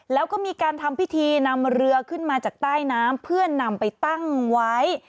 แล้วก็มีการทำพิธีนำเรือขึ้นมาจากใต้น้ำเพื่อนำไปตั้งไว้